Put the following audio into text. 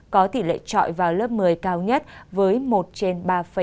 có tỷ lệ trọi vào lớp một mươi cao nhất với một trên ba năm mươi bốn